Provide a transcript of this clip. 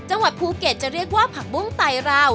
จังหวัดภูเก็ตจะเรียกว่าผักบุ้งไตราว